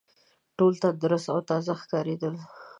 ټول تندرست او تازه ښکارېدل.